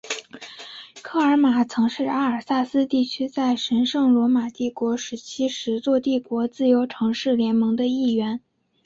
科尔马曾是阿尔萨斯地区在神圣罗马帝国时期十座帝国自由城市联盟的一员。